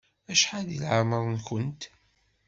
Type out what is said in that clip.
Acḥal di lɛemeṛ-nkent?